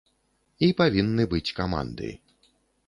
І павінны быць каманды.